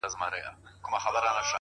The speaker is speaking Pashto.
د ښكلا ميري د ښكلا پر كلي شــپه تېروم!